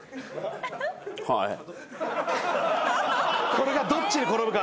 これがどっちに転ぶか。